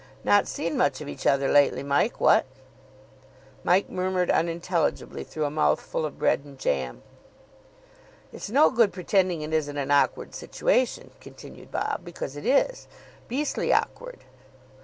"Not seen much of each other lately, Mike, what?" Mike murmured unintelligibly through a mouthful of bread and jam. "It's no good pretending it isn't an awkward situation," continued Bob, "because it is. Beastly awkward."